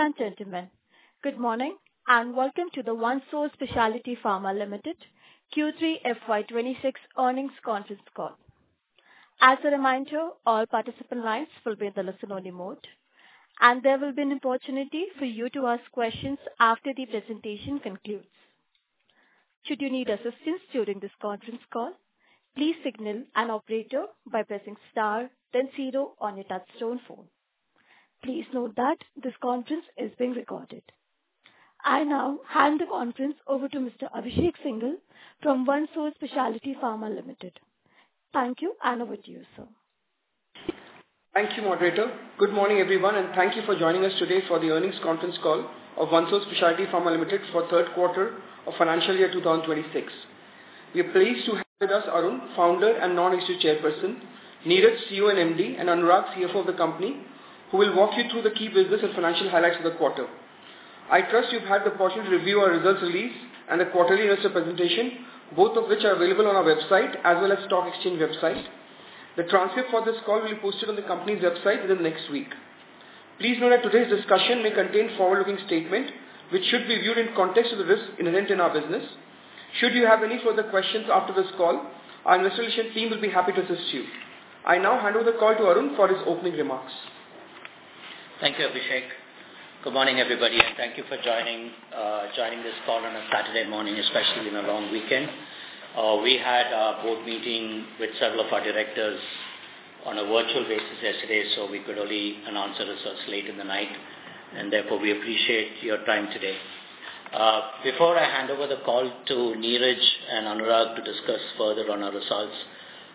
Ladies and gentlemen, good morning and welcome to the OneSource Specialty Pharma Limited Q3 FY 2026 earnings conference call. As a reminder, all participant lines will be in the listen only mode and there will be an opportunity for you to ask questions after the presentation concludes. Should you need assistance during this conference call, please signal an operator by pressing star then zero on your touchtone phone. Please note that this conference is being recorded. I now hand the conference over to Mr. Abhishek Singhal from OneSource Specialty Pharma Limited. Thank you and over to you, sir. Thank you, moderator. Good morning, everyone, thank you for joining us today for the earnings conference call of OneSource Specialty Pharma Limited for third quarter of financial year 2026. We are pleased to have with us Arun, Founder and Non-Executive Chairperson, Neeraj, CEO and MD, and Anurag, CFO of the company who will walk you through the key business and financial highlights of the quarter. I trust you've had the opportunity to review our results release and the quarterly investor presentation, both of which are available on our website as well as stock exchange website. The transcript for this call will be posted on the company's website within the next week. Please note that today's discussion may contain forward-looking statements, which should be viewed in context of the risks inherent in our business. Should you have any further questions after this call, our investor relation team will be happy to assist you. I now hand over the call to Arun for his opening remarks. Thank you, Abhishek. Good morning, everybody, thank you for joining this call on a Saturday morning, especially in a long weekend. We had our board meeting with several of our directors on a virtual basis yesterday, we could only announce results late in the night and therefore we appreciate your time today. Before I hand over the call to Neeraj and Anurag to discuss further on our results,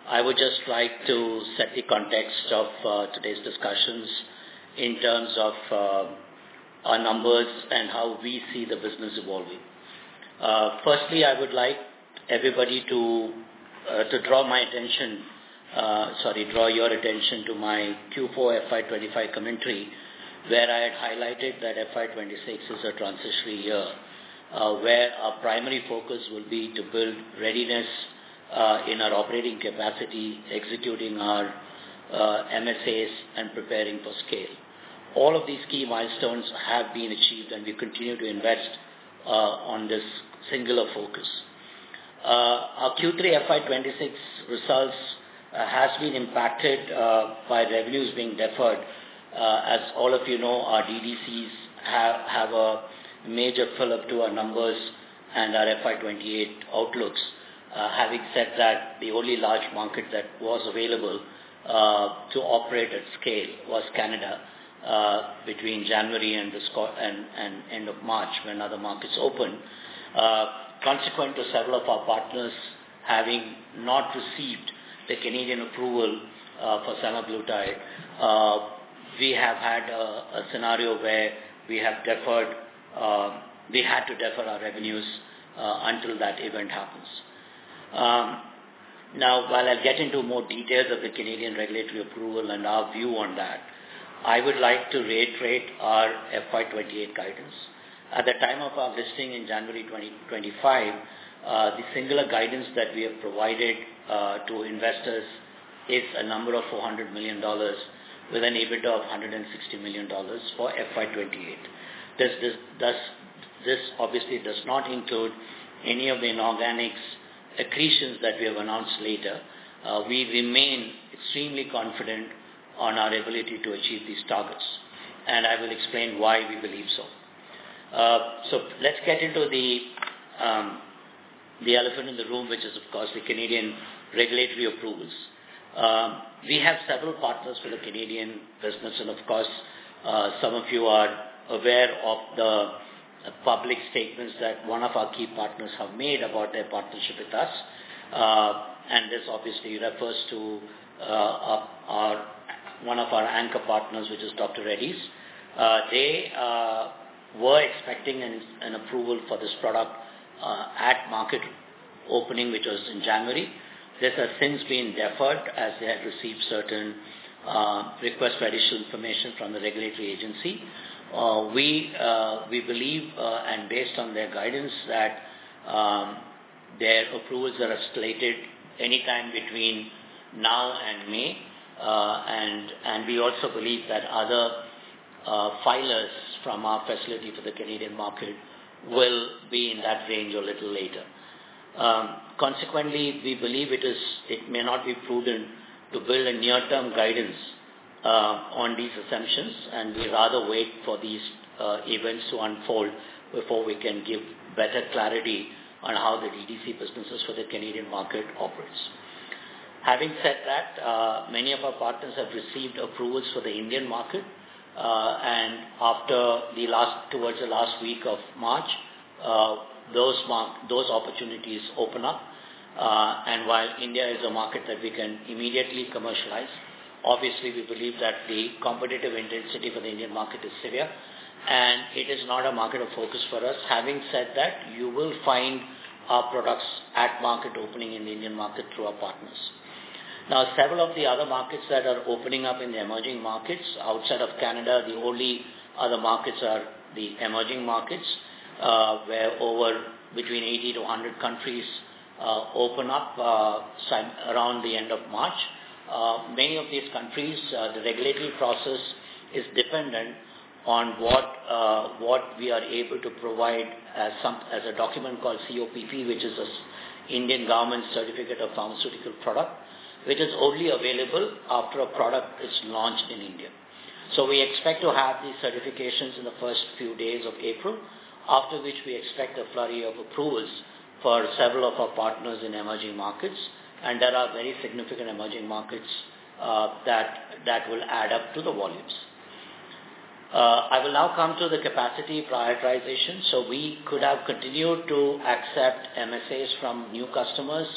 I would just like to set the context of today's discussions in terms of our numbers and how we see the business evolving. Firstly, I would like everybody to draw your attention to my Q4 FY 2025 commentary where I had highlighted that FY 2026 is a transitory year, where our primary focus will be to build readiness in our operating capacity, executing our MSAs and preparing for scale. All of these key milestones have been achieved and we continue to invest on this singular focus. Our Q3 FY 2026 results have been impacted by revenues being deferred. As all of you know, our DDCs have a major fill-up to our numbers and our FY 2028 outlooks. Having said that, the only large market that was available to operate at scale was Canada between January and end of March when other markets opened. Consequent to several of our partners having not received the Canadian approval for semaglutide we have had a scenario where we had to defer our revenues until that event happens. While I'll get into more details of the Canadian regulatory approval and our view on that, I would like to reiterate our FY 2028 guidance. At the time of our listing in January 2025, the singular guidance that we have provided to investors is a number of $400 million with an EBITDA of $160 million for FY 2028. This obviously does not include any of the inorganics accretions that we have announced later. We remain extremely confident on our ability to achieve these targets and I will explain why we believe so. Let's get into the elephant in the room which is of course the Canadian regulatory approvals. We have several partners for the Canadian business and, of course, some of you are aware of the public statements that one of our key partners have made about their partnership with us. This obviously refers to one of our anchor partners which is Dr. Reddy's. They were expecting an approval for this product at market opening, which was in January. This has since been deferred as they had received certain requests for additional information from the regulatory agency. We believe, and based on their guidance that their approvals are slated anytime between now and May. We also believe that other filers from our facility for the Canadian market will be in that range a little later. Consequently, we believe it may not be prudent to build a near-term guidance on these assumptions and we'd rather wait for these events to unfold before we can give better clarity on how the DDC businesses for the Canadian market operates. Having said that, many of our partners have received approvals for the Indian market. Towards the last week of March those opportunities open up and while India is a market that we can immediately commercialize, obviously we believe that the competitive intensity for the Indian market is severe and it is not a market of focus for us. Having said that, you will find our products at market opening in the Indian market through our partners. Several of the other markets that are opening up in the emerging markets outside of Canada, the only other markets are the emerging markets where over between 80-100 countries open up around the end of March. Many of these countries, the regulatory process is dependent on what we are able to provide as a document called COPP, which is Indian Government Certificate of Pharmaceutical Product, which is only available after a product is launched in India. We expect to have these certifications in the first few days of April, after which we expect a flurry of approvals for several of our partners in emerging markets, and there are very significant emerging markets that will add up to the volumes. I will now come to the capacity prioritization. We could have continued to accept MSAs from new customers,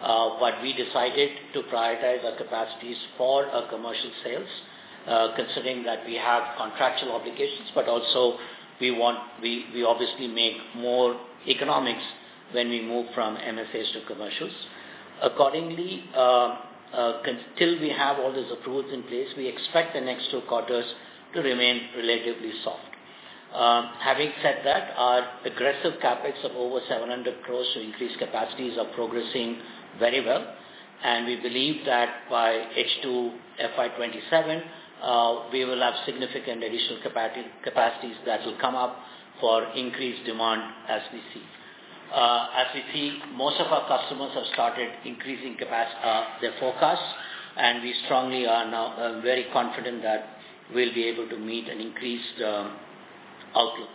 but we decided to prioritize our capacities for our commercial sales, considering that we have contractual obligations, but also we obviously make more economics when we move from MSAs to commercials. Accordingly, until we have all these approvals in place, we expect the next two quarters to remain relatively soft. Having said that, our aggressive CapEx of over 700 crore to increase capacities are progressing very well, and we believe that by H2 FY 2027, we will have significant additional capacities that will come up for increased demand as we see. As we see, most of our customers have started increasing their forecasts, and we strongly are now very confident that we'll be able to meet an increased outlook.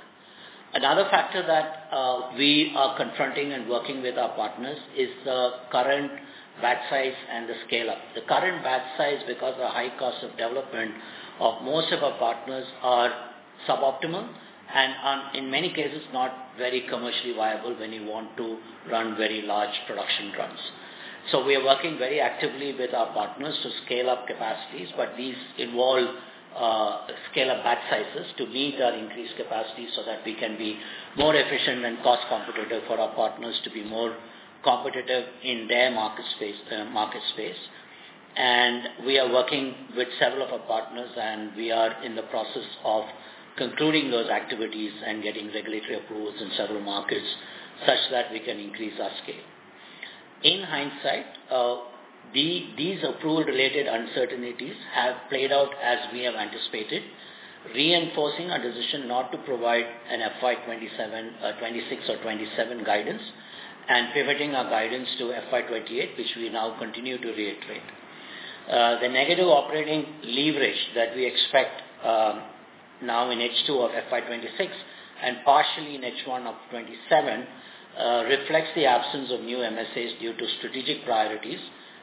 Another factor that we are confronting and working with our partners is the current batch size and the scale-up. The current batch size, because the high cost of development of most of our partners are suboptimal, and in many cases, not very commercially viable when you want to run very large production runs. We are working very actively with our partners to scale up capacities, but these involve scale-up batch sizes to meet our increased capacity so that we can be more efficient and cost competitive for our partners to be more competitive in their market space. We are working with several of our partners, and we are in the process of concluding those activities and getting regulatory approvals in several markets such that we can increase our scale. In hindsight, these approval-related uncertainties have played out as we have anticipated, reinforcing our decision not to provide an FY 2026 or 2027 guidance and pivoting our guidance to FY 2028, which we now continue to reiterate. The negative operating leverage that we expect now in H2 of FY 2026 and partially in H1 of FY 2027 reflects the absence of new MSAs due to strategic priorities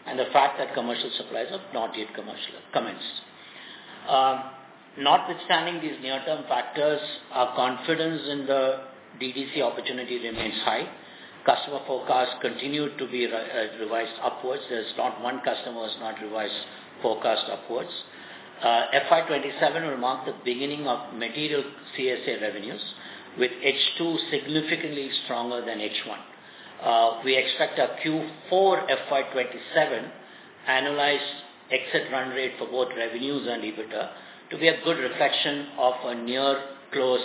and the fact that commercial supplies have not yet commenced. Notwithstanding these near-term factors, our confidence in the DDC opportunity remains high. Customer forecasts continue to be revised upwards. There's not one customer who has not revised forecast upwards. FY 2027 will mark the beginning of material CSA revenues, with H2 significantly stronger than H1. We expect our Q4 FY 2027 annualized exit run rate for both revenues and EBITDA to be a good reflection of a near close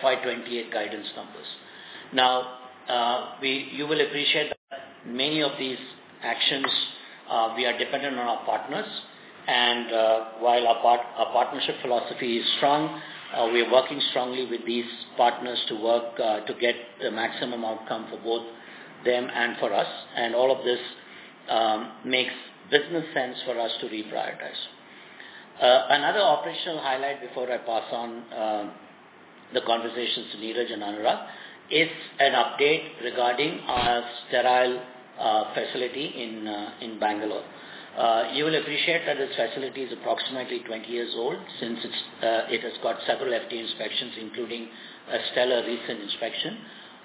FY 2028 guidance numbers. You will appreciate that many of these actions we are dependent on our partners. While our partnership philosophy is strong, we are working strongly with these partners to work to get the maximum outcome for both them and for us. All of this makes business sense for us to reprioritize. Another operational highlight before I pass on the conversations to Neeraj and Anurag is an update regarding our sterile facility in Bangalore. You will appreciate that this facility is approximately 20 years old since it has got several FDA inspections, including a stellar recent inspection.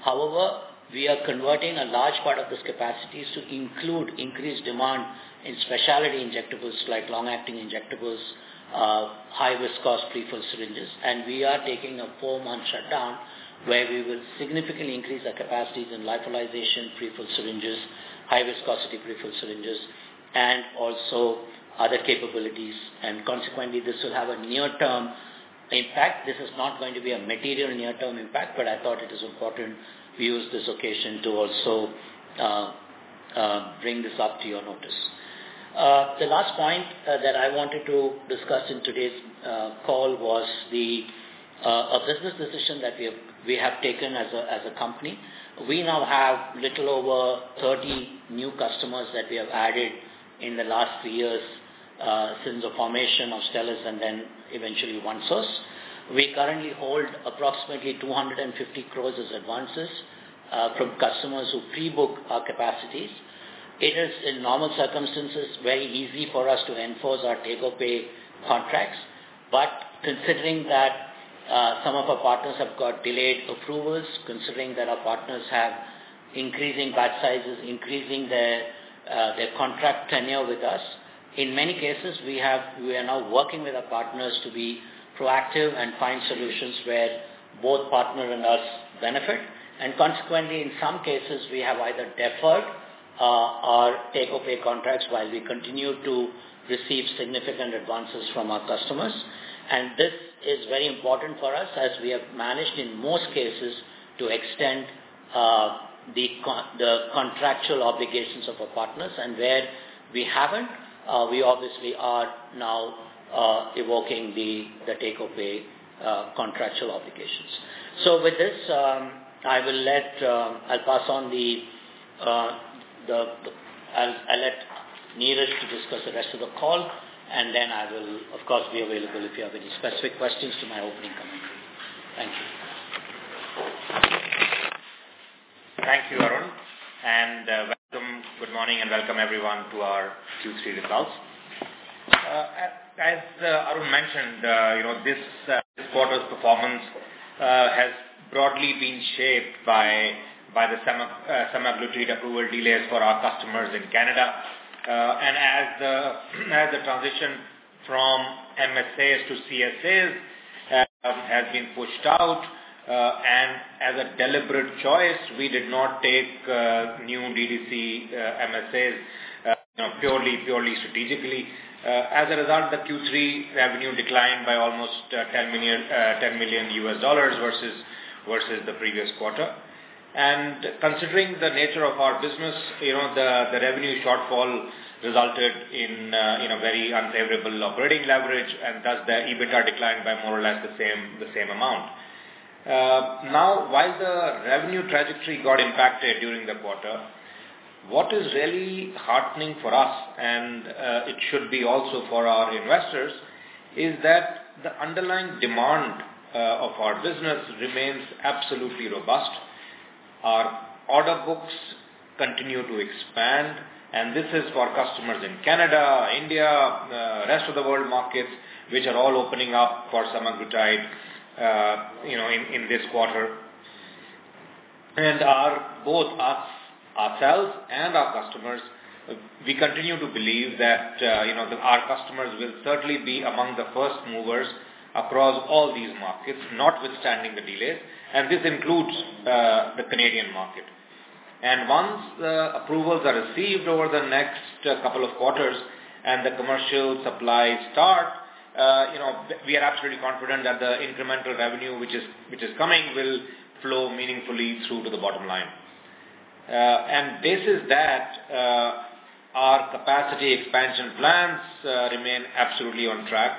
However, we are converting a large part of this capacity to include increased demand in specialty injectables like long-acting injectables, high-viscosity pre-filled syringes. We are taking a four-month shutdown where we will significantly increase our capacities in lyophilization, pre-filled syringes, high-viscosity pre-filled syringes, and also other capabilities. Consequently, this will have a near-term impact. This is not going to be a material near-term impact, I thought it is important we use this occasion to also bring this up to your notice. The last point that I wanted to discuss in today's call was a business decision that we have taken as a company. We now have little over 30 new customers that we have added in the last three years since the formation of Stelis and then eventually OneSource. We currently hold approximately 250 crores as advances from customers who pre-book our capacities. It is, in normal circumstances, very easy for us to enforce our take-or-pay contracts. Considering that some of our partners have got delayed approvals, considering that our partners have increasing batch sizes, increasing their contract tenure with us, in many cases, we are now working with our partners to be proactive and find solutions where both partner and us benefit. Consequently, in some cases, we have either deferred our take-or-pay contracts while we continue to receive significant advances from our customers. This is very important for us as we have managed, in most cases, to extend the contractual obligations of our partners. Where we haven't, we obviously are now evoking the take-or-pay contractual obligations. With this, I'll let Neeraj to discuss the rest of the call, then I will, of course, be available if you have any specific questions to my opening comments. Thank you. Thank you, Arun, good morning, welcome everyone to our Q3 results. As Arun mentioned, this quarter's performance has broadly been shaped by the semaglutide approval delays for our customers in Canada. As the transition from MSAs to CSAs has been pushed out, as a deliberate choice, we did not take new DDC MSAs purely strategically. As a result, the Q3 revenue declined by almost $10 million versus the previous quarter. Considering the nature of our business, the revenue shortfall resulted in a very unfavorable operating leverage and thus the EBITDA declined by more or less the same amount. While the revenue trajectory got impacted during the quarter, what is really heartening for us, and it should be also for our investors, is that the underlying demand of our business remains absolutely robust. Our order books continue to expand, this is for customers in Canada, India, rest of the world markets, which are all opening up for semaglutide in this quarter. Both ourselves and our customers, we continue to believe that our customers will certainly be among the first movers across all these markets, notwithstanding the delays, and this includes the Canadian market. Once the approvals are received over the next couple of quarters and the commercial supplies start, we are absolutely confident that the incremental revenue, which is coming, will flow meaningfully through to the bottom line. This is that our capacity expansion plans remain absolutely on track.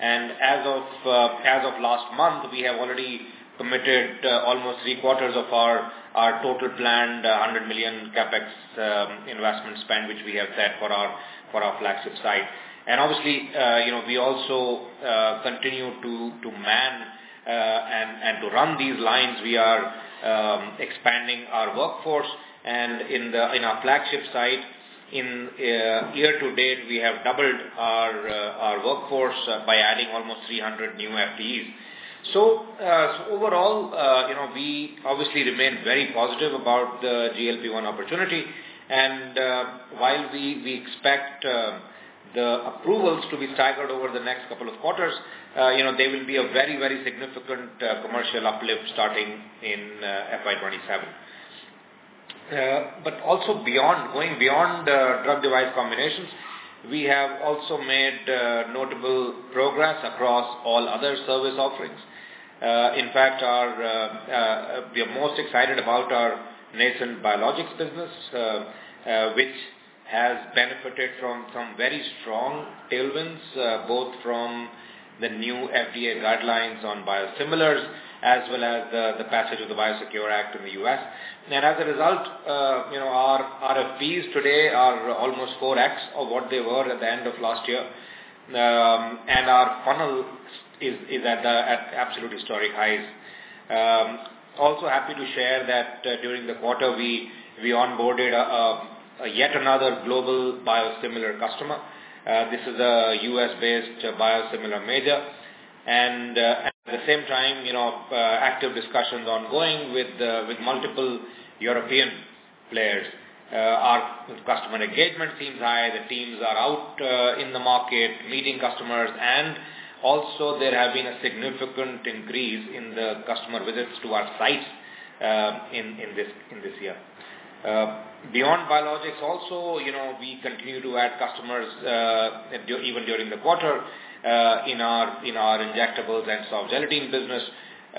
As of last month, we have already committed almost three-quarters of our total planned 100 million CapEx investment spend, which we have set for our flagship site. Obviously, we also continue to man and to run these lines. We are expanding our workforce and in our flagship site in year-to-date, we have doubled our workforce by adding almost 300 new FTEs. Overall, we obviously remain very positive about the GLP-1 opportunity, and while we expect the approvals to be staggered over the next couple of quarters, there will be a very, very significant commercial uplift starting in FY 2027. Going beyond drug device combinations, we have also made notable progress across all other service offerings. In fact, we are most excited about our nascent biologics business, which has benefited from some very strong tailwinds, both from the new FDA guidelines on biosimilars as well as the passage of the BIOSECURE Act in the U.S. As a result our RFP today are almost 4x of what they were at the end of last year. Our funnel is at absolute historic highs. Also happy to share that during the quarter, we onboarded yet another global biosimilar customer. This is a U.S.-based biosimilar major, and at the same time active discussions ongoing with multiple European players. Our customer engagement seems high. The teams are out in the market meeting customers, and also there have been a significant increase in the customer visits to our sites in this year. Beyond biologics also, we continue to add customers, even during the quarter, in our injectables and soft gelatin business.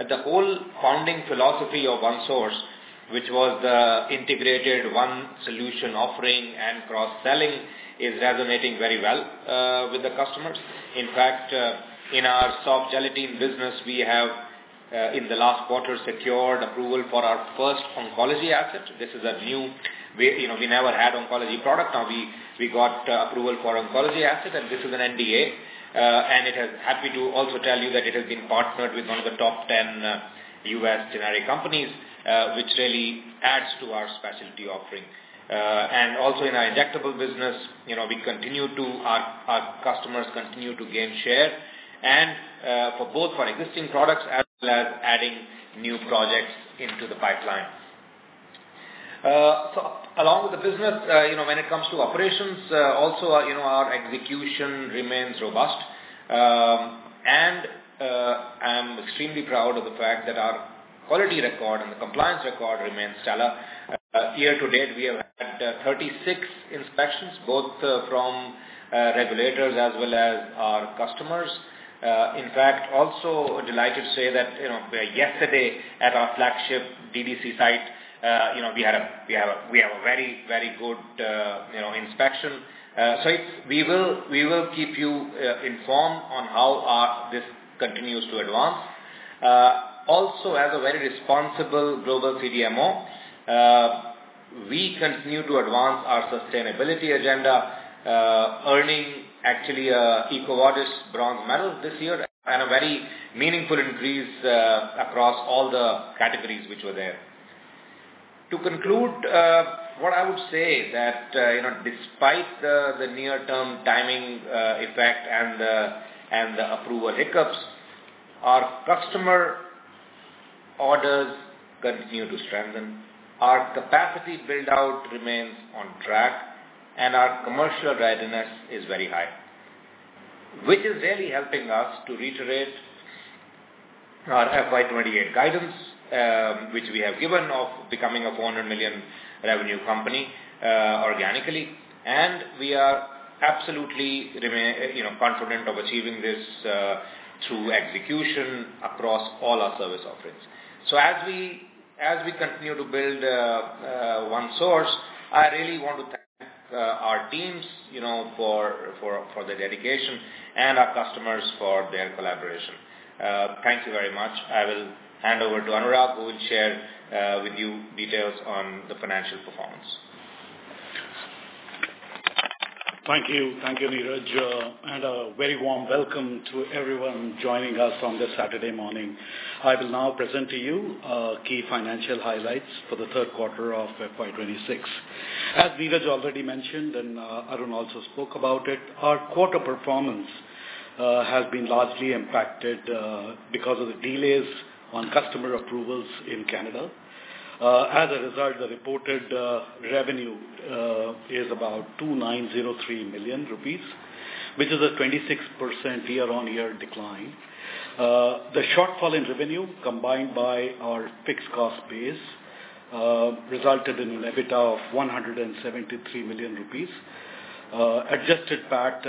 The whole founding philosophy of OneSource, which was the integrated one solution offering and cross-selling, is resonating very well with the customers. In fact, in our soft gelatin business, we have, in the last quarter, secured approval for our first oncology asset. This is a new way. We never had oncology product. Now we got approval for oncology asset, and this is an NDA. Happy to also tell you that it has been partnered with one of the top 10 U.S. generic companies, which really adds to our specialty offering. Also in our injectable business, our customers continue to gain share and for both our existing products as well as adding new projects into the pipeline. Along with the business, when it comes to operations also, our execution remains robust and I'm extremely proud of the fact that our quality record and the compliance record remains stellar. Year-to-date, we have had 36 inspections, both from regulators as well as our customers. In fact, also delighted to say that yesterday at our flagship DBC site, we have a very good inspection. We will keep you informed on how this continues to advance. As a very responsible global CDMO, we continue to advance our sustainability agenda, earning actually a EcoVadis bronze medal this year, and a very meaningful increase across all the categories which were there. To conclude, what I would say that despite the near-term timing effect and the approval hiccups, our customer orders continue to strengthen, our capacity build-out remains on track, and our commercial readiness is very high, which is really helping us to reiterate our FY 2028 guidance which we have given of becoming a $400 million revenue company organically. We are absolutely confident of achieving this through execution across all our service offerings. As we continue to build OneSource, I really want to thank our teams for their dedication and our customers for their collaboration. Thank you very much. I will hand over to Anurag, who will share with you details on the financial performance. Thank you, Neeraj, and a very warm welcome to everyone joining us on this Saturday morning. I will now present to you key financial highlights for the third quarter of FY 2026. As Neeraj already mentioned, and Arun also spoke about it, our quarter performance has been largely impacted because of the delays on customer approvals in Canada. As a result, the reported revenue is about 2,903 million rupees, which is a 26% year-over-year decline. The shortfall in revenue, combined by our fixed cost base, resulted in an EBITDA of 173 million rupees. Adjusted PAT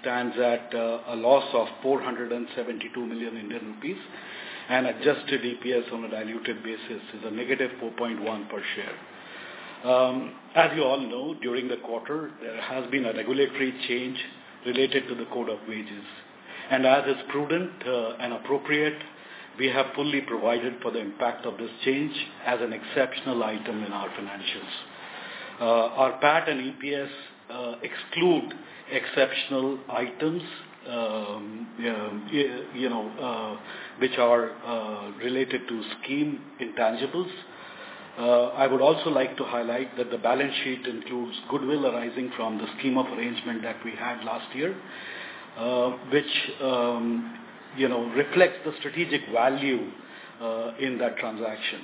stands at a loss of 472 million Indian rupees, and adjusted EPS on a diluted basis is a negative 4.1 per share. As you all know, during the quarter, there has been a regulatory change related to the Code on Wages. As is prudent and appropriate, we have fully provided for the impact of this change as an exceptional item in our financials. Our PAT and EPS exclude exceptional items which are related to scheme intangibles. I would also like to highlight that the balance sheet includes goodwill arising from the scheme of arrangement that we had last year, which reflects the strategic value in that transaction.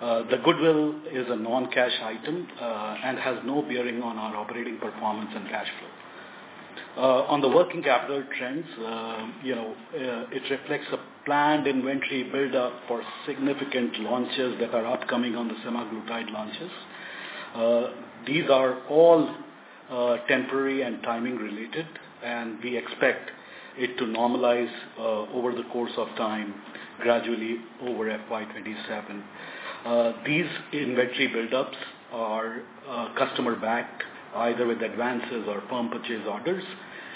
The goodwill is a non-cash item and has no bearing on our operating performance and cash flow. On the working capital trends, it reflects a planned inventory build-up for significant launches that are upcoming on the semaglutide launches. These are all temporary and timing related, and we expect it to normalize over the course of time gradually over FY 2027. These inventory buildups are customer-backed, either with advances or firm purchase orders,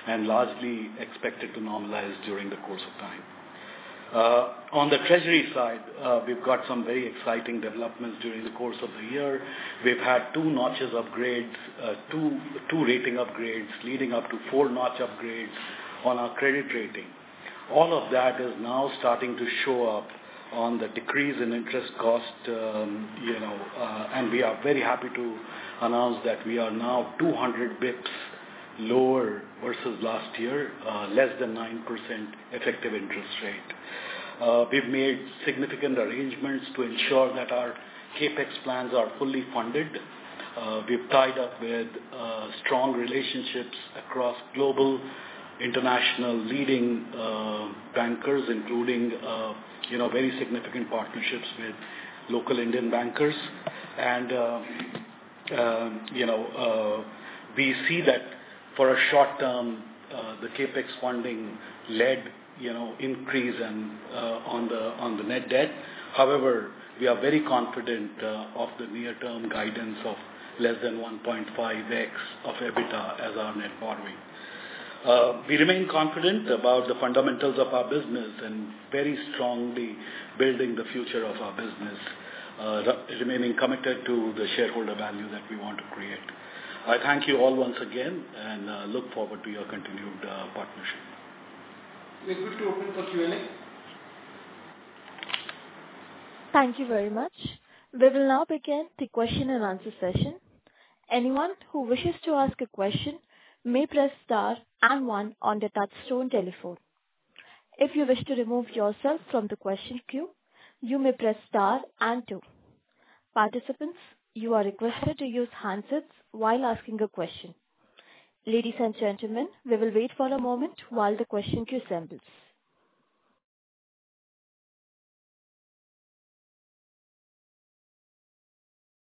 and largely expected to normalize during the course of time. On the treasury side, we've got some very exciting developments during the course of the year. We've had two-notch upgrades, two rating upgrades, leading up to four-notch upgrades on our credit rating. All of that is now starting to show up on the decrease in interest cost, and we are very happy to announce that we are now 200 basis points lower versus last year, less than 9% effective interest rate. We've made significant arrangements to ensure that our CapEx plans are fully funded. We've tied up with strong relationships across global international leading bankers, including very significant partnerships with local Indian bankers. We see that for a short term, the CapEx funding led increase on the net debt. However, we are very confident of the near-term guidance of less than 1.5x of EBITDA as our net borrowing. We remain confident about the fundamentals of our business and very strongly building the future of our business, remaining committed to the shareholder value that we want to create. I thank you all once again and look forward to your continued partnership. We are good to open for Q&A. Thank you very much. We will now begin the question-and-answer session. Anyone who wishes to ask a question may press star and one on their touchtone telephone. If you wish to remove yourself from the question queue, you may press star and two. Participants, you are requested to use handsets while asking a question. Ladies and gentlemen, we will wait for a moment while the question queue assembles.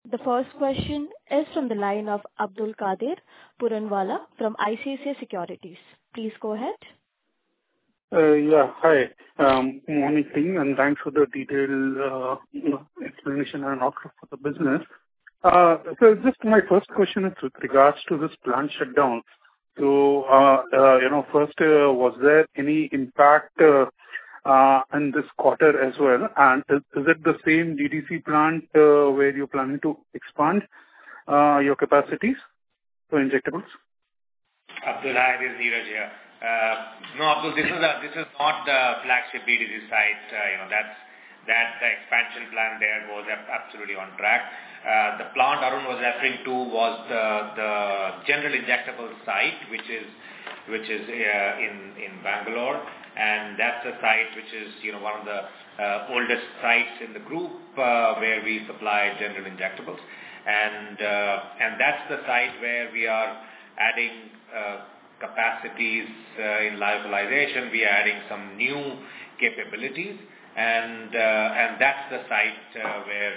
The first question is from the line of Abdulkader Puranwala from ICICI Securities. Please go ahead. Yeah. Hi. Morning to you, and thanks for the detailed explanation and outlook for the business. Just my first question is with regards to this plant shutdown. First, was there any impact in this quarter as well? And is it the same DDC plant where you're planning to expand your capacities for injectables? Abdulkader, this is Neeraj here. Abdulkader, this is not the flagship DDC site. That expansion plan there was absolutely on track. The plant Arun was referring to was the general injectable site, which is in Bangalore. That is the site which is one of the oldest sites in the group, where we supply general injectables. That is the site where we are adding capacities in localization, we are adding some new capabilities, and that is the site where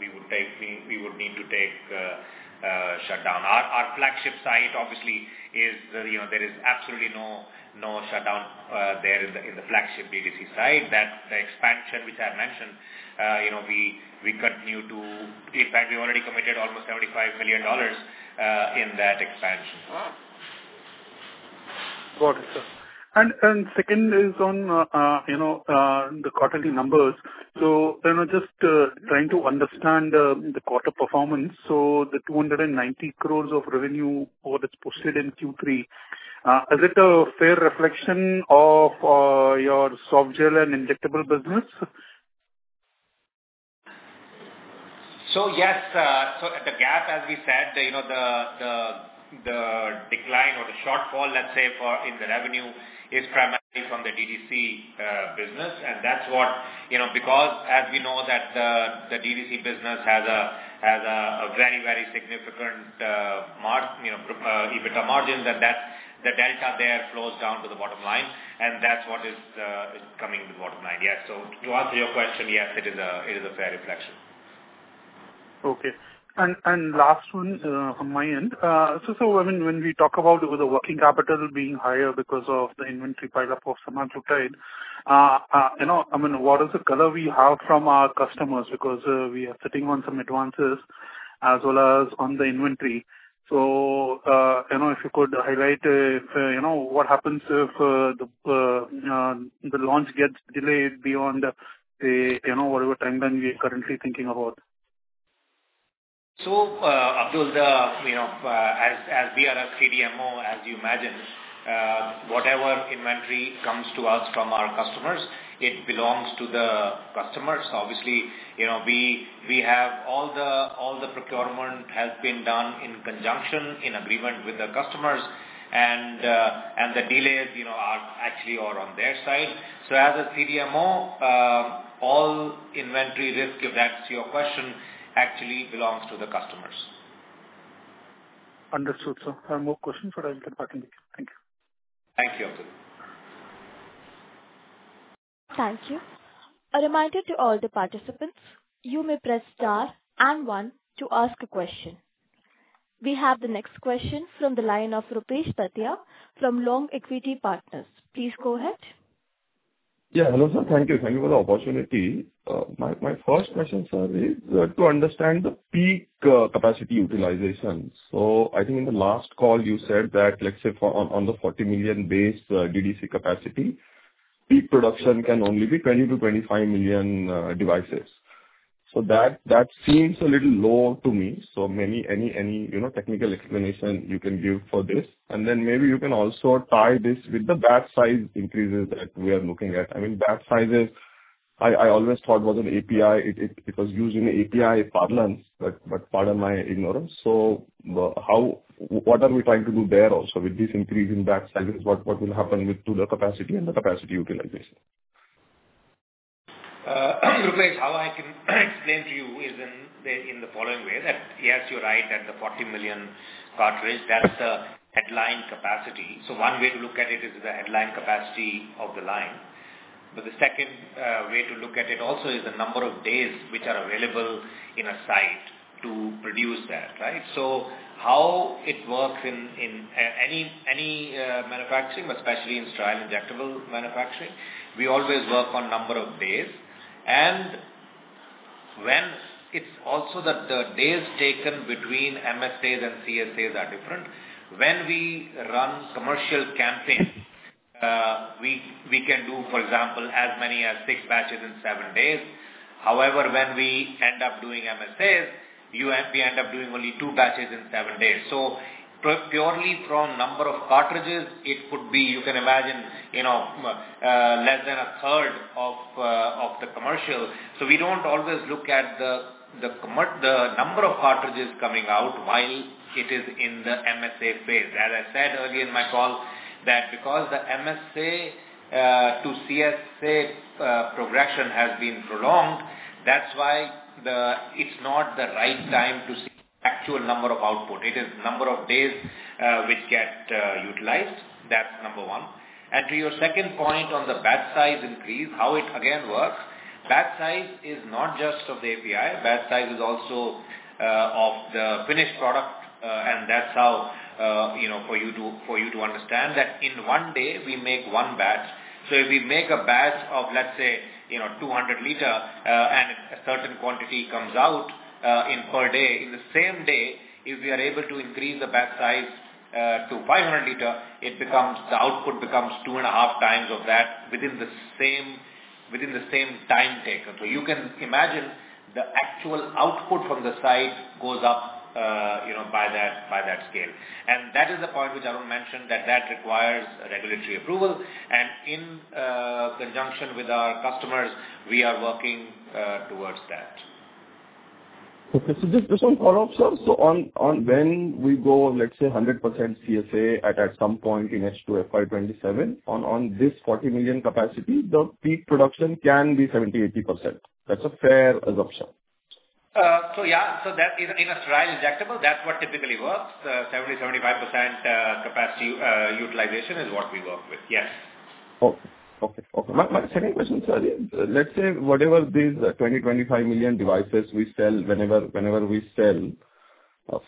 we would need to take a shutdown. Our flagship site, obviously, there is absolutely no shutdown there in the flagship DDC site. The expansion which I mentioned, we already committed almost $75 million in that expansion. Got it, sir. Second is on the quarterly numbers. Just trying to understand the quarter performance. The 290 crore of revenue, what is posted in Q3, is it a fair reflection of your softgel and injectable business? Yes. The gap, as we said, the decline or the shortfall, let us say, in the revenue is primarily from the DDC business. Because as we know that the DDC business has a very significant EBITDA margin, and the delta there flows down to the bottom line, and that is what is coming to the bottom line. To answer your question, yes, it is a fair reflection. Okay. Last one from my end. When we talk about the working capital being higher because of the inventory pileup of semaglutide, what is the color we have from our customers? Because we are sitting on some advances as well as on the inventory. If you could highlight what happens if the launch gets delayed beyond whatever timeline we are currently thinking about. Abdulkader, as we are a CDMO, as you imagine, whatever inventory comes to us from our customers, it belongs to the customers. Obviously, we have all the procurement has been done in conjunction, in agreement with the customers. The delays are actually all on their side. As a CDMO, all inventory risk, if that's your question, actually belongs to the customers. Understood, sir. No more questions for the moment. Thank you. Thank you, Abdulkader. Thank you. A reminder to all the participants, you may press star and one to ask a question. We have the next question from the line of Rupesh Patia from Long Equity Partners. Please go ahead. Hello, sir. Thank you. Thank you for the opportunity. My first question, sir, is to understand the peak capacity utilization. I think in the last call you said that, let's say on the 40 million base DDC capacity, peak production can only be 20 million-25 million devices. That seems a little low to me. Any technical explanation you can give for this? Maybe you can also tie this with the batch size increases that we are looking at. Batch sizes, I always thought was an API. It was using API parlance, pardon my ignorance. What are we trying to do there also with these increasing batch sizes? What will happen to the capacity and the capacity utilization? Rupesh, how I can explain to you is in the following way. Yes, you're right that the 40 million cartridge, that's the headline capacity. One way to look at it is the headline capacity of the line. The second way to look at it also is the number of days which are available in a site to produce that, right? How it works in any manufacturing, especially in sterile injectable manufacturing, we always work on number of days. It's also that the days taken between MSAs and CSAs are different. When we run commercial campaigns, we can do, for example, as many as six batches in seven days. However, when we end up doing MSAs, we end up doing only two batches in seven days. Purely from number of cartridges, it could be, you can imagine, less than a third of the commercial. We don't always look at the number of cartridges coming out while it is in the MSA phase. As I said earlier in my call, because the MSA-CSA progression has been prolonged. That's why it's not the right time to see the actual number of output. It is number of days which get utilized. That's number one. To your second point on the batch size increase, how it again works, batch size is not just of the API. Batch size is also of the finished product, that's how for you to understand that in one day we make one batch. If we make a batch of, let's say, 200 liters and a certain quantity comes out in per day, in the same day, if we are able to increase the batch size to 500 liters, the output becomes 2.5 times of that within the same time taken. You can imagine the actual output from the site goes up by that scale. That is the point which Arun mentioned, that requires regulatory approval and in conjunction with our customers, we are working towards that. Okay. Just one follow-up, sir. On when we go, let's say, 100% CSA at some point in H2 FY 2027, on this 40 million capacity, the peak production can be 70%-80%. That's a fair assumption. Yeah. In a sterile injectable, that's what typically works. 70%-75% capacity utilization is what we work with. Yes. Okay. My second question, sir. Let's say whatever these 20 million-25 million devices we sell, whenever we sell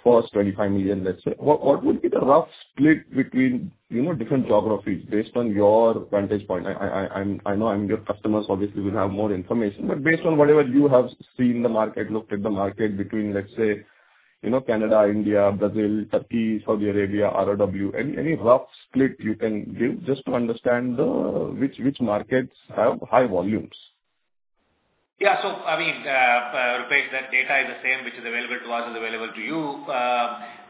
first 25 million, let's say, what would be the rough split between different geographies based on your vantage point? I know your customers obviously will have more information, but based on whatever you have seen the market, looked at the market between, let's say, Canada, India, Brazil, Turkey, Saudi Arabia, ROW. Any rough split you can give just to understand which markets have high volumes? Yeah. Rupesh, that data is the same, which is available to us, is available to you.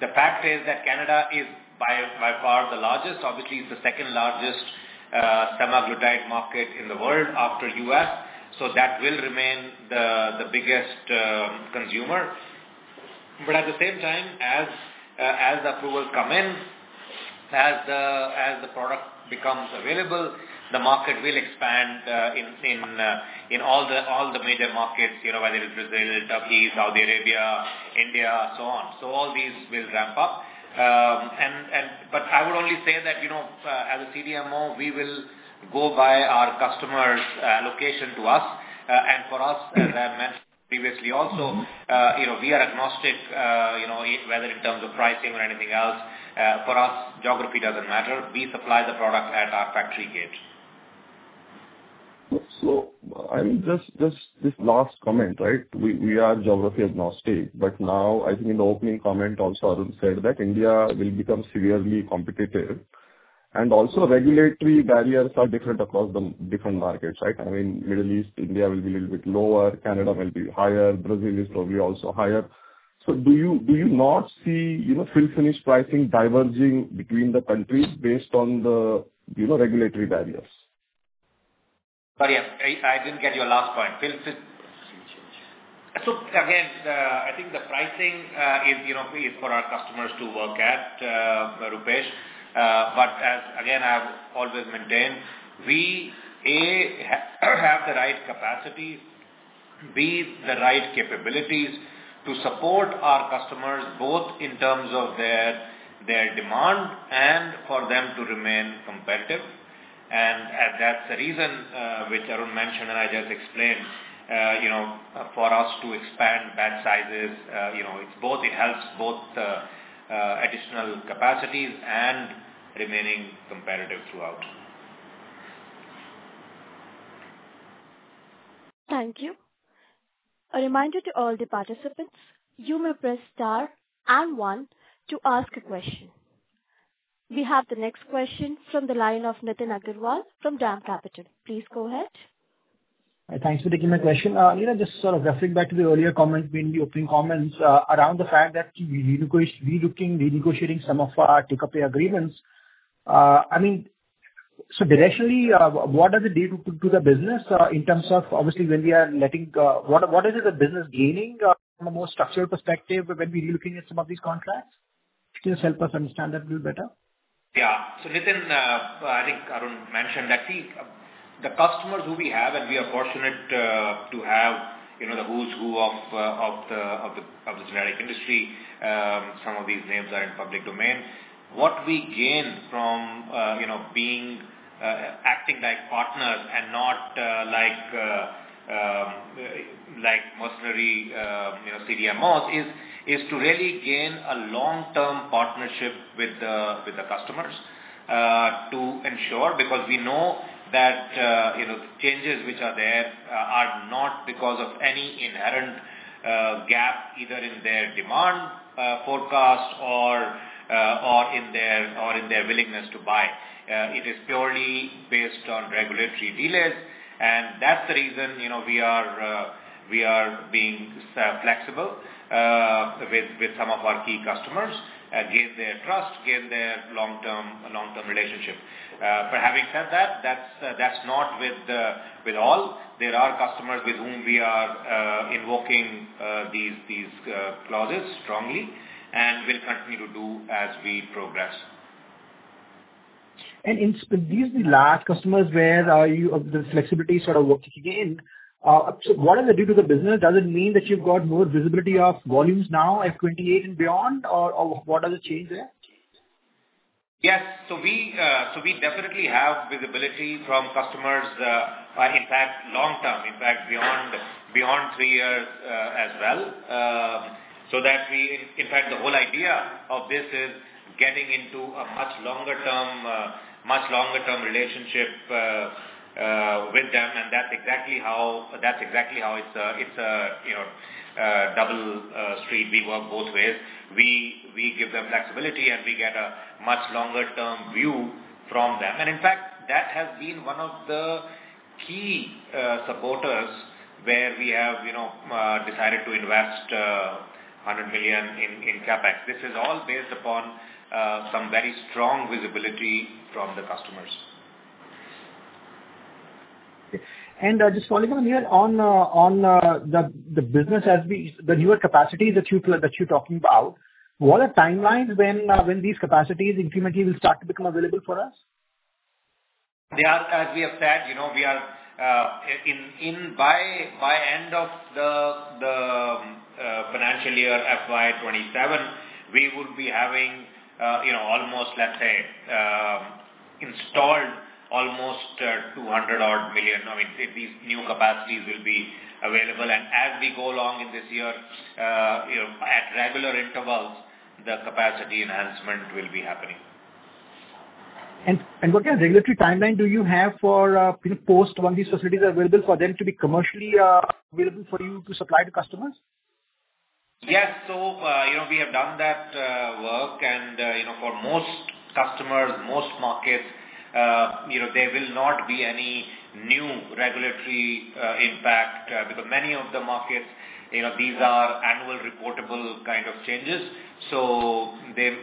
The fact is that Canada is by far the largest, obviously it's the second-largest semaglutide market in the world after U.S., so that will remain the biggest consumer. At the same time as, approvals come in, as the product becomes available, the market will expand, in all the major markets, whether it is Brazil, Turkey, Saudi Arabia, India, so on. All these will ramp up. I would only say that, as a CDMO, we will go by our customers' allocation to us. For us, as I mentioned previously, also. We are agnostic whether in terms of pricing or anything else. For us, geography doesn't matter. We supply the product at our factory gate. Just this last comment, right? We are geography agnostic, but now I think in the opening comment also, Arun said that India will become severely competitive, and also regulatory barriers are different across the different markets, right? Middle East, India will be a little bit lower, Canada will be higher, Brazil is probably also higher. Do you not see fill finish pricing diverging between the countries based on the regulatory barriers? Sorry, I didn't get your last point. Fill finish. Again, I think the pricing is really for our customers to work at, Rupesh. As again, I have always maintained, we, A, have the right capacity, B, the right capabilities to support our customers, both in terms of their demand and for them to remain competitive. That's the reason which Arun mentioned and I just explained, for us to expand batch sizes, it helps both the additional capacities and remaining competitive throughout. Thank you. A reminder to all the participants, you may press star and one to ask a question. We have the next question from the line of Nitin Agarwal from DAM Capital. Please go ahead. Thanks for taking my question. Directionally, what does it do to the business in terms of obviously What is it the business gaining from a more structural perspective when we're relooking at some of these take-or-pay agreements? Just help us understand that a little better. Nitin, I think Arun mentioned that the customers who we have, and we are fortunate to have the who's who of the generic industry, some of these names are in public domain. What we gain from acting like partners and not like mercenary CDMOs is to really gain a long-term partnership with the customers, to ensure because we know that changes which are there are not because of any inherent gap either in their demand forecast or in their willingness to buy. It is purely based on regulatory delays. That's the reason we are being flexible with some of our key customers, gain their trust, gain their long-term relationship. Having said that's not with all. There are customers with whom we are invoking these clauses strongly and will continue to do as we progress. These are the large customers where the flexibility working in. What does it do to the business? Does it mean that you've got more visibility of volumes now at 2028 and beyond? What does it change there? We definitely have visibility from customers, in fact, long-term. In fact, beyond three years as well. In fact, the whole idea of this is getting into a much longer-term relationship with them, and that's exactly how it's a double street. We work both ways. We give them flexibility, and we get a much longer-term view from them. In fact, that has been one of the key supporters where we have decided to invest 100 million in CapEx. This is all based upon some very strong visibility from the customers. Okay. Just following on here on the business. The newer capacities that you are talking about, what are timelines when these capacities incrementally will start to become available for us? As we have said, by end of the financial year FY 2027, we would be having almost, installed 200 odd million. These new capacities will be available. As we go along in this year, at regular intervals, the capacity enhancement will be happening. What kind of regulatory timeline do you have for post when these facilities are available for them to be commercially available for you to supply to customers? Yes. We have done that work and for most customers, most markets there will not be any new regulatory impact because many of the markets, these are annual reportable kind of changes. There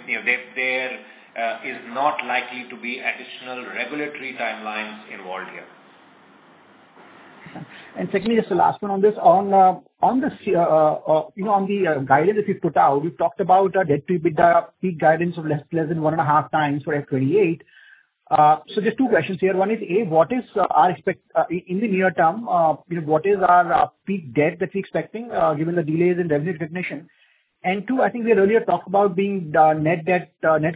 is not likely to be additional regulatory timelines involved here. Okay. Secondly, just the last one on this. On the guidance that you put out, we talked about a debt to EBITDA peak guidance of less than 1.5 times for FY 2028. Just two questions here. One is, A, in the near term, what is our peak debt that we're expecting given the delays in revenue recognition? Two, I think we had earlier talked about being net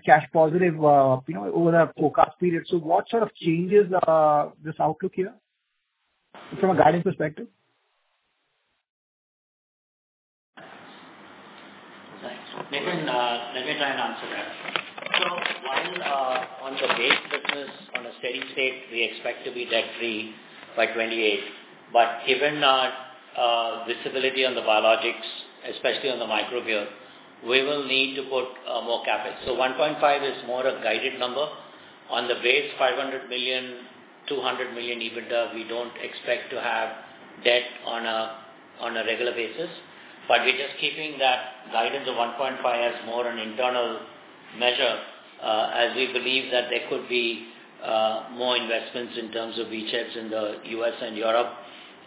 cash positive over the forecast period. What sort of changes this outlook here from a guidance perspective? Thanks. Nitin, let me try and answer that. On the base business, on a steady state, we expect to be debt-free by 2028. Given our visibility on the biologics, especially on the microbial, we will need to put more CapEx. 1.5 is more a guided number. On the base 500 million, 200 million EBITDA, we don't expect to have debt on a regular basis. We're just keeping that guidance of 1.5 as more an internal measure, as we believe that there could be more investments in terms of B CHPs in the U.S. and Europe,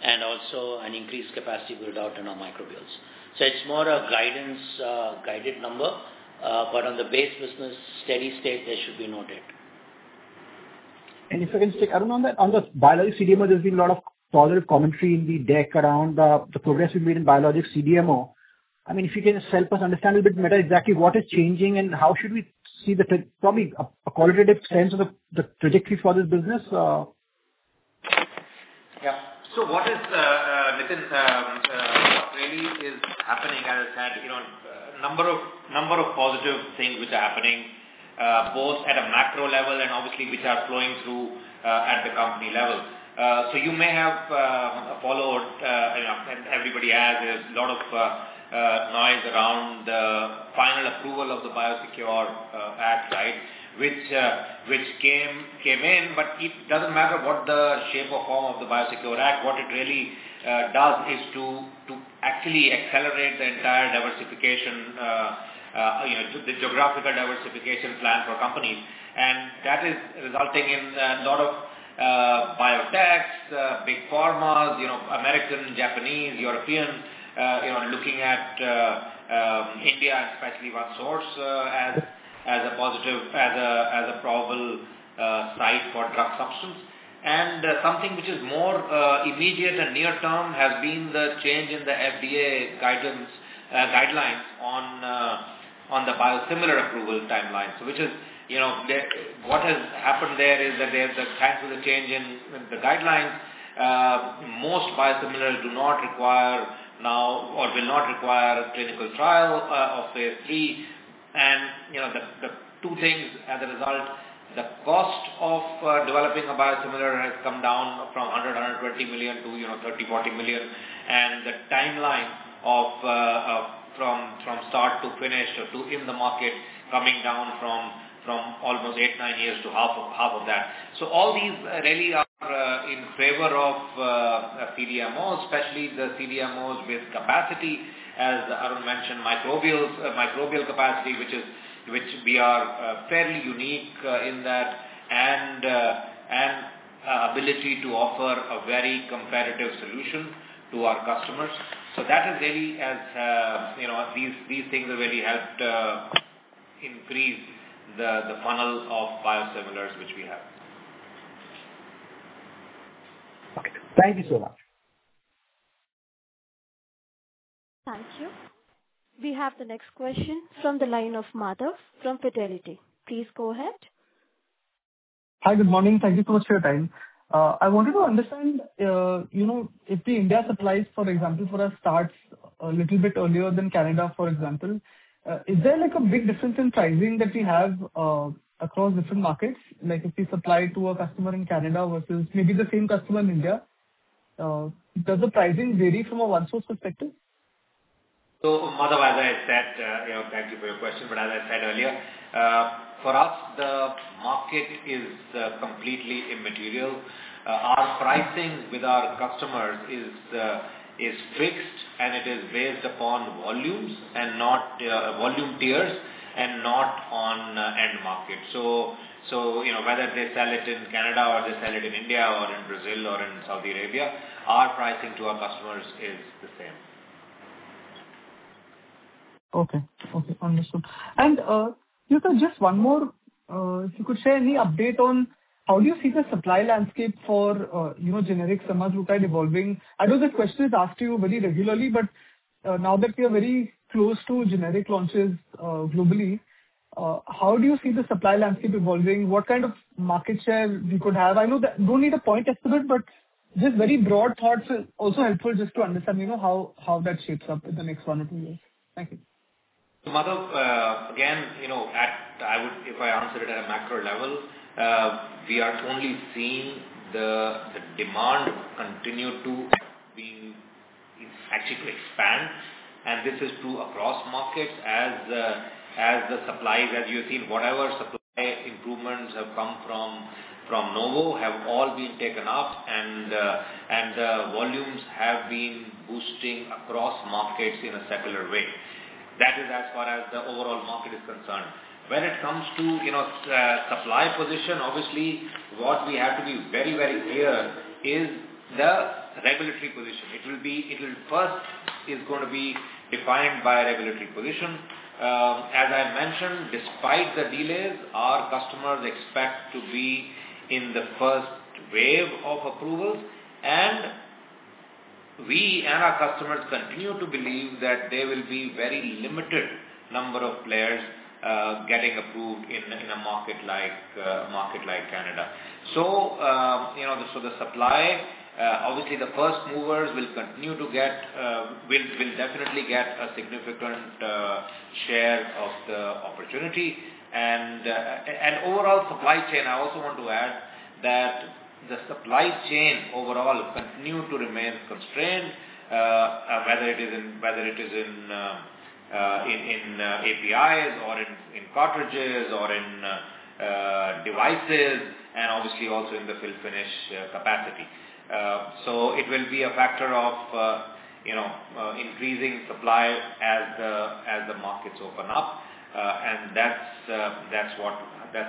and also an increased capacity build-out in our microbials. It's more a guided number. On the base business steady state, there should be no debt. If I can stick, Arun, on the biologics CDMO, there's been a lot of positive commentary in the deck around the progress we've made in biologics CDMO. If you can just help us understand a bit better exactly what is changing and how should we see probably a qualitative sense of the trajectory for this business? Yeah. Nitin, what really is happening, as I said, number of positive things which are happening both at a macro level and obviously which are flowing through at the company level. You may have followed, and everybody has, there's a lot of noise around the final approval of the BIOSECURE Act, which came in, it doesn't matter what the shape or form of the BIOSECURE Act. What it really does is to actually accelerate the entire diversification, the geographical diversification plan for companies. That is resulting in a lot of biotechs, big pharmas, American, Japanese, Europeans looking at India especially OneSource as a probable site for drug substance. Something which is more immediate and near term has been the change in the FDA guidelines on the biosimilar approval timeline. What has happened there is that there's a change in the guidelines. Most biosimilars do not require now or will not require a clinical trial of phase III. The two things, as a result, the cost of developing a biosimilar has come down from 100 million-120 million to 30 million-40 million. The timeline from start to finish or to in the market coming down from almost eight, nine years to half of that. All these really are in favor of CDMOs, especially the CDMOs with capacity. As Arun mentioned, microbial capacity, which we are fairly unique in that and ability to offer a very competitive solution to our customers. That has really, these things have really helped increase the funnel of biosimilars which we have. Okay. Thank you so much. Thank you. We have the next question from the line of Madhav from Fidelity. Please go ahead. Hi. Good morning. Thank you so much for your time. I wanted to understand, if the India supplies, for example, for us starts a little bit earlier than Canada, for example, is there a big difference in pricing that we have across different markets? Like if we supply to a customer in Canada versus maybe the same customer in India, does the pricing vary from a OneSource perspective? Madhav, as I said, thank you for your question. As I said earlier, for us, the market is completely immaterial. Our pricing with our customers is fixed, and it is based upon volume tiers and not on end market. Whether they sell it in Canada or they sell it in India or in Brazil or in Saudi Arabia, our pricing to our customers is the same. Okay. Understood. Neeraj, just one more. If you could share any update on how do you see the supply landscape for generic semaglutide evolving? I know this question is asked to you very regularly. Now that we are very close to generic launches globally, how do you see the supply landscape evolving? What kind of market share we could have? I know that you don't need to point estimate. Just very broad thoughts is also helpful just to understand how that shapes up in the next one or two years. Thank you. Madhav, again, if I answered it at a macro level, we are only seeing the demand continue to actually expand. This is true across markets as the supply, as you have seen, whatever supply improvements have come from Novo have all been taken up, and the volumes have been boosting across markets in a secular way. That is as far as the overall market is concerned. When it comes to supply position, obviously, what we have to be very clear is the regulatory position. It will first is going to be defined by regulatory position. As I mentioned, despite the delays, our customers expect to be in the first wave of approvals, and we and our customers continue to believe that there will be very limited number of players getting approved in a market like Canada. The supply, obviously the first movers will definitely get a significant share of the opportunity. Overall supply chain, I also want to add that the supply chain overall continued to remain constrained, whether it is in APIs or in cartridges or in devices, and obviously also in the fill finish capacity. It will be a factor of increasing supply as the markets open up. That's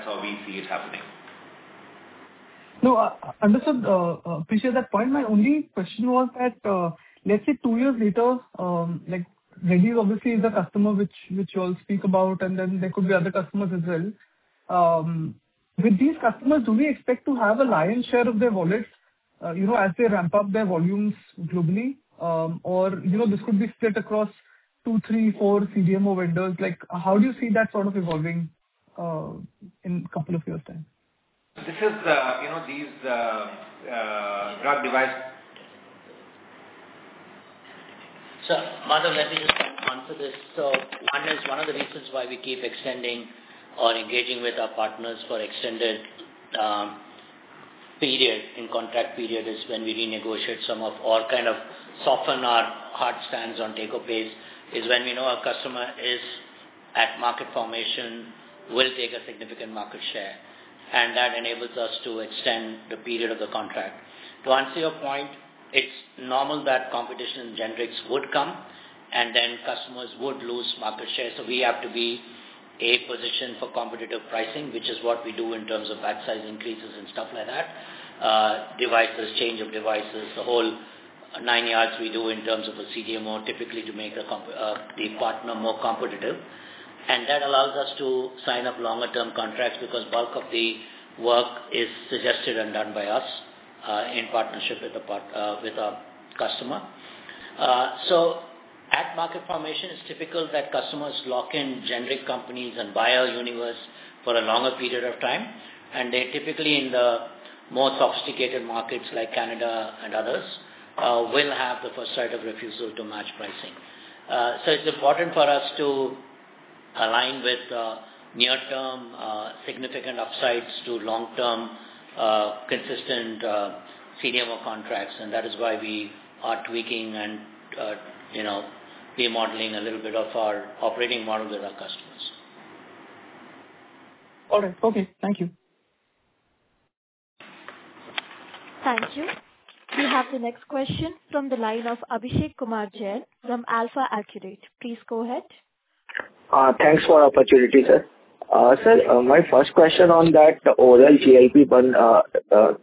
how we see it happening. No, understood. Appreciate that point. My only question was that, let's say two years later, like DRL obviously is a customer which you all speak about, and then there could be other customers as well. With these customers, do we expect to have a lion's share of their wallet as they ramp up their volumes globally? Or this could be split across two, three, four CDMO vendors. How do you see that sort of evolving in couple of years' time? These drug device Madhav, let me just answer this. One of the reasons why we keep extending or engaging with our partners for extended period in contract period is when we renegotiate some of, or kind of soften our hard stance on take-or-pay, is when we know our customer is at market formation, will take a significant market share, and that enables us to extend the period of the contract. To answer your point, it's normal that competition in generics would come, and then customers would lose market share. We have to be a position for competitive pricing, which is what we do in terms of pack size increases and stuff like that. Devices, change of devices, the whole nine yards we do in terms of a CDMO typically to make the partner more competitive. That allows us to sign up longer term contracts because bulk of the work is suggested and done by us, in partnership with our customer. At market formation, it's typical that customers lock in generic companies and buyer universe for a longer period of time. They typically in the more sophisticated markets like Canada and others, will have the first right of refusal to match pricing. It's important for us to align with near term significant upsides to long term consistent CDMO contracts, and that is why we are tweaking and remodeling a little bit of our operating model with our customers. All right. Okay. Thank you. Thank you. We have the next question from the line of Abhishek Kumar Jain from Alpha Accurate. Please go ahead. Thanks for the opportunity, sir. Sir, my first question on that oral GLP-1.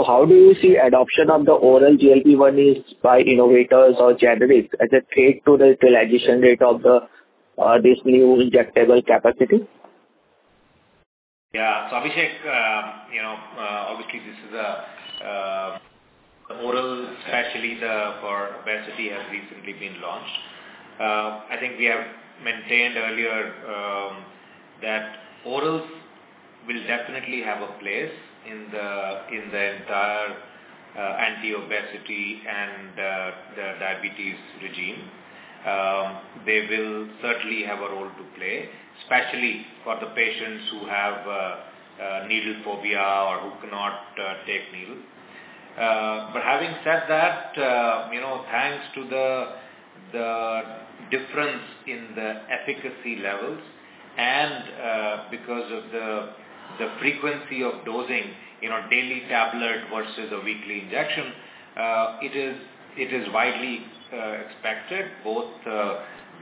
How do you see adoption of the oral GLP-1s by innovators or generics as a trade to the realization rate of this new injectable capacity? Yeah. Abhishek, obviously, this is the oral, actually the obesity has recently been launched. I think we have maintained earlier that orals will definitely have a place in the entire anti-obesity and the diabetes regime. They will certainly have a role to play, especially for the patients who have needle phobia or who cannot take needles. But having said that, thanks to the difference in the efficacy levels and because of the frequency of dosing, daily tablet versus a weekly injection, it is widely expected both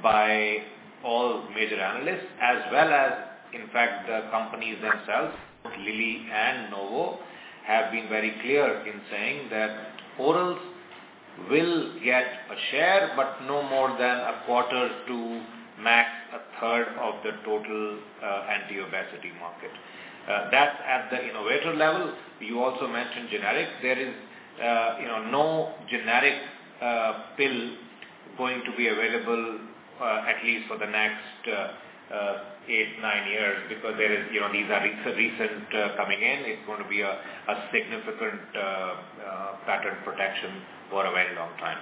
by all major analysts as well as, in fact, the companies themselves, both Lilly and Novo, have been very clear in saying that orals will get a share, but no more than a quarter to max a third of the total anti-obesity market. That's at the innovator level. You also mentioned generic. There is no generic pill going to be available at least for the next eight, nine years because these are recent coming in. It's going to be a significant pattern protection for a very long time.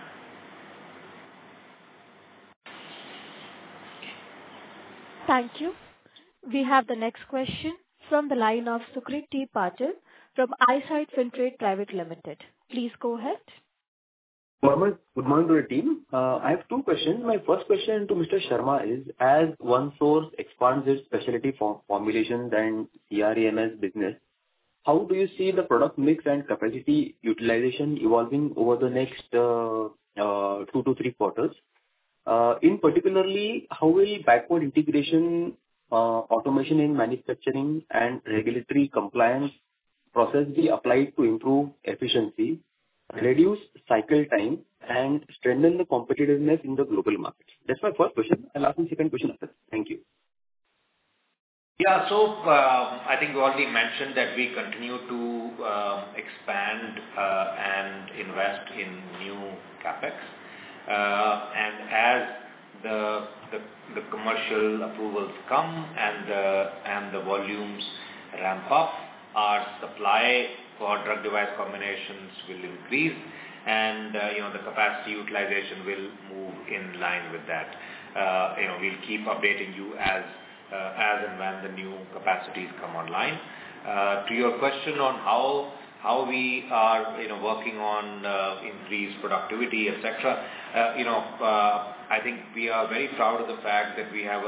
Thank you. We have the next question from the line of Sukrit T. Patel from Eyesight Filtrate Private Limited. Please go ahead. Good morning to your team. I have two questions. My first question to Mr. Sharma is, as OneSource expands its specialty formulations and REMS business, how do you see the product mix and capacity utilization evolving over the next two to three quarters? In particularly, how will backward integration, automation in manufacturing, and regulatory compliance process be applied to improve efficiency, reduce cycle time, and strengthen the competitiveness in the global markets? That's my first question. I'll ask my second question after. Thank you. Yeah. I think you already mentioned that we continue to expand and invest in new CapEx. As the commercial approvals come and the volumes ramp up, our supply for drug device combinations will increase and the capacity utilization will move in line with that. We'll keep updating you as and when the new capacities come online. To your question on how we are working on increased productivity, et cetera. I think we are very proud of the fact that we have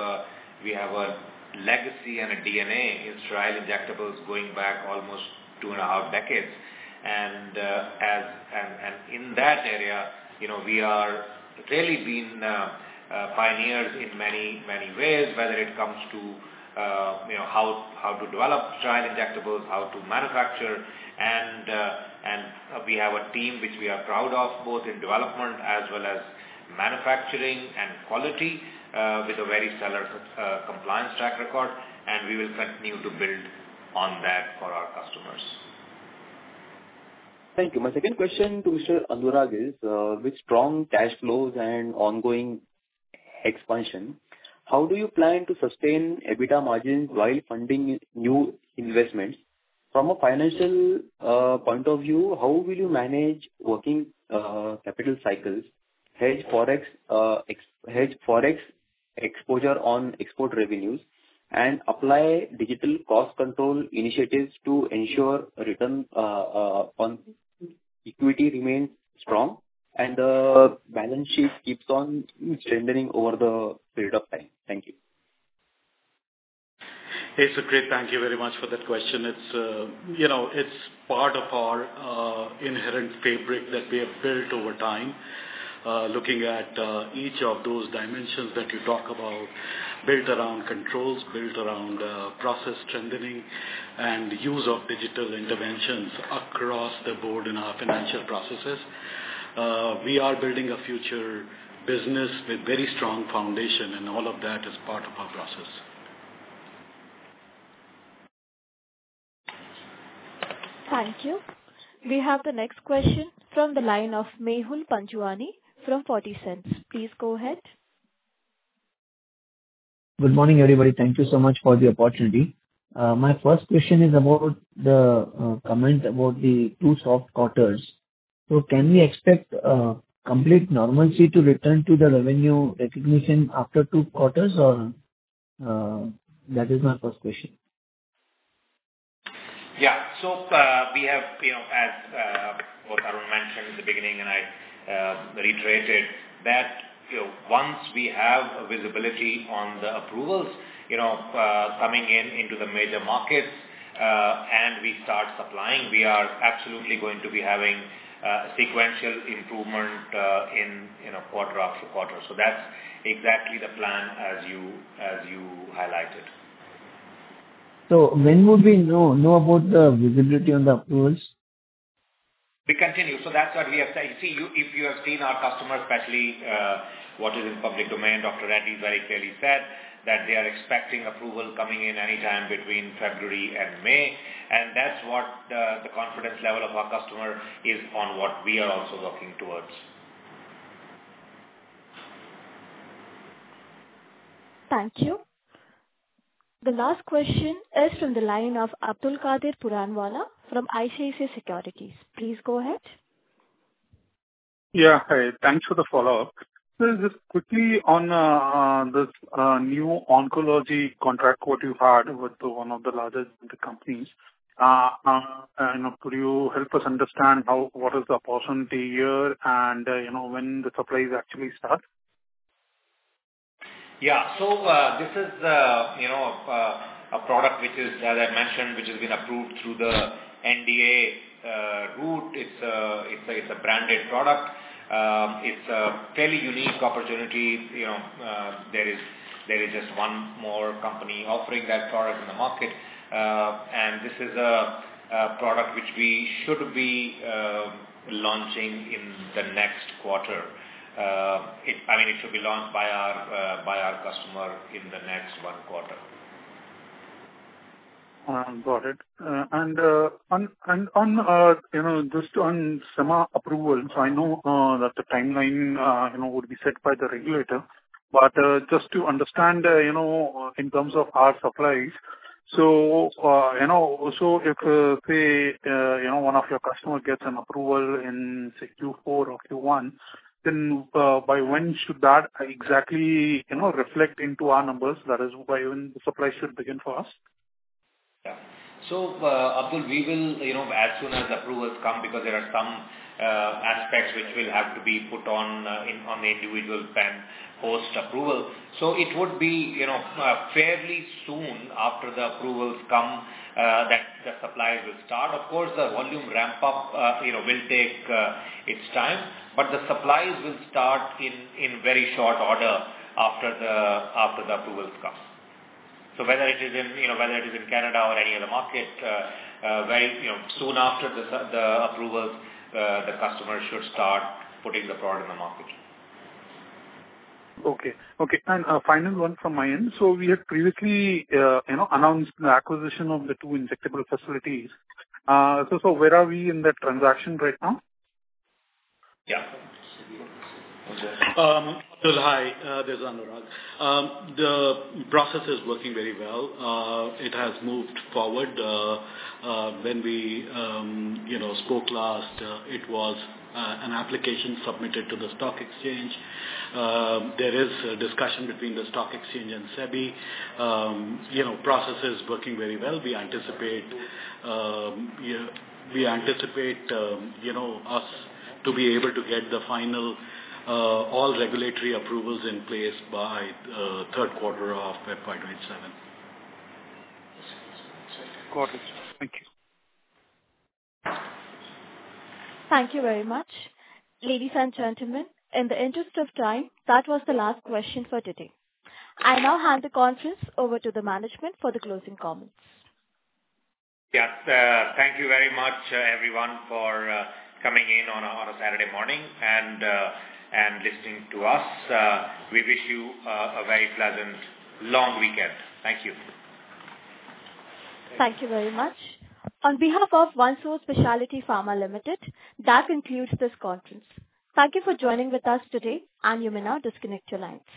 a legacy and a DNA in sterile injectables going back almost two and a half decades. In that area, we are really been pioneers in many ways, whether it comes to how to develop sterile injectables, how to manufacture, and we have a team which we are proud of, both in development as well as manufacturing and quality, with a very stellar compliance track record, and we will continue to build on that for our customers. Thank you. My second question to Mr. Anurag is, with strong cash flows and ongoing expansion, how do you plan to sustain EBITDA margins while funding new investments? From a financial point of view, how will you manage working capital cycles, hedge Forex exposure on export revenues, and apply digital cost control initiatives to ensure return on equity remains strong and the balance sheet keeps on strengthening over the period of time? Thank you. Hey, Sukrit. Thank you very much for that question. It's part of our inherent fabric that we have built over time. Looking at each of those dimensions that you talk about, built around controls, built around process strengthening, and use of digital interventions across the board in our financial processes. We are building a future business with very strong foundation, all of that is part of our process. Thank you. We have the next question from the line of Mehul Panchwani from 40 Cents. Please go ahead. Good morning, everybody. Thank you so much for the opportunity. My first question is about the comment about the two soft quarters. Can we expect complete normalcy to return to the revenue recognition after two quarters? That is my first question. Yeah. We have, as both Arun mentioned in the beginning and I reiterated, that once we have a visibility on the approvals coming into the major markets and we start supplying. We are absolutely going to be having a sequential improvement in quarter after quarter. That's exactly the plan, as you highlighted. When would we know about the visibility on the approvals? We continue. That's what we have said. If you have seen our customer, especially what is in public domain, Dr. Reddy's very clearly said that they are expecting approval coming in anytime between February and May. That's what the confidence level of our customer is on what we are also working towards. Thank you. The last question is from the line of Abdulkader Puranwala from ICICI Securities. Please go ahead. Yeah. Hi. Thanks for the follow-up. Sir, just quickly on this new oncology contract, what you have had with one of the largest companies. Could you help us understand what is the opportunity here and when the supplies actually start? Yeah. This is a product, as I mentioned, which has been approved through the NDA route. It is a branded product. It is a fairly unique opportunity. There is just one more company offering that product in the market. This is a product which we should be launching in the next quarter. It should be launched by our customer in the next one quarter. Got it. Just on sema approval. I know that the timeline would be set by the regulator, but just to understand in terms of our supplies. If say, one of your customer gets an approval in, say, Q4 or Q1, by when should that exactly reflect into our numbers? That is, by when the supply should begin for us? Yeah. Abdulkader, we will, as soon as approvals come, because there are some aspects which will have to be put on the individual pen post-approval. It would be fairly soon after the approvals come that the supplies will start. Of course, the volume ramp-up will take its time, but the supplies will start in very short order after the approvals come. Whether it is in Canada or any other market, very soon after the approvals, the customer should start putting the product in the market. Okay. Final one from my end. We had previously announced the acquisition of the two injectable facilities. Where are we in that transaction right now? Yeah. Hi. This is Anurag. The process is working very well. It has moved forward. When we spoke last, it was an application submitted to the stock exchange. There is a discussion between the stock exchange and SEBI. Process is working very well. We anticipate us to be able to get the final all regulatory approvals in place by third quarter of FY 2027. Got it. Thank you. Thank you very much. Ladies and gentlemen, in the interest of time, that was the last question for today. I now hand the conference over to the management for the closing comments. Yes. Thank you very much, everyone, for coming in on a Saturday morning and listening to us. We wish you a very pleasant long weekend. Thank you. Thank you very much. On behalf of OneSource Specialty Pharma Limited, that concludes this conference. Thank you for joining with us today. You may now disconnect your lines.